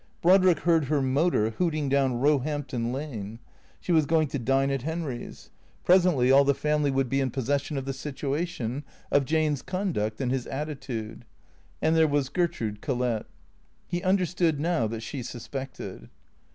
Brodrick heard her motor hooting down Eoehampton Lane. She was going to dine at Henry's. Presently all the family would be in possession of the' situation, of Jane's conduct and his attitude. And there was Gertrude Collett. He understood now that she suspected.